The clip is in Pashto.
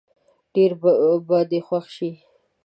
ډېر به دې خوښ شي.